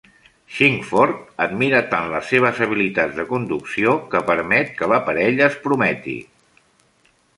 Chingford admira tant les seves habilitats de conducció que permet que la parella es prometi.